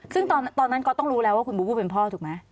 ซึ่งตอนนั้นก็ต้องรู้แล้วว่าคุณบูบูเป็นพ่อถูกไหม